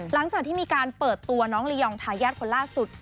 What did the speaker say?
หลังจากที่มีการเปิดตัวน้องลียองทายาทคนล่าสุด